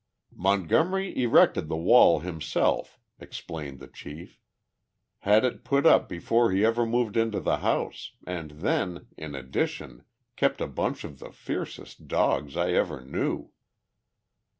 "Montgomery erected the wall himself," explained the chief. "Had it put up before he ever moved into the house, and then, in addition, kept a bunch of the fiercest dogs I ever knew."